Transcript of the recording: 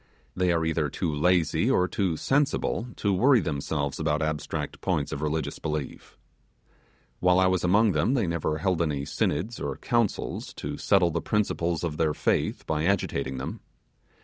They are either too lazy or too sensible to worry themselves about abstract points of religious belief. While I was among them, they never held any synods or councils to settle the principles of their faith by agitating them.